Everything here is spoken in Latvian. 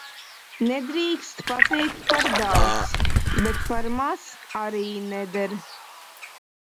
Nedrīkst pateikt par daudz, bet par maz – arī neder.